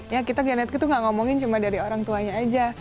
ya kita genetik tuh gak ngomongin cuma dari orang tuanya aja